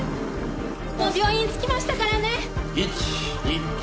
・病院に着きましたからね！